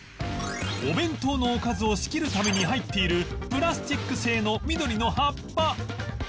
お弁当のおかずを仕切るために入っているプラスチック製の緑の葉っぱ